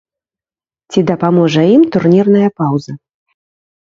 Ці дапаможа ім турнірная паўза?